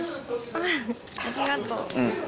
あっありがとう。